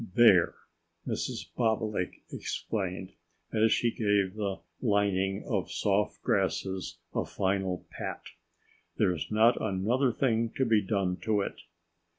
"There!" Mrs. Bobolink exclaimed, as she gave the lining of soft grasses a final pat. "There's not another thing to be done to it."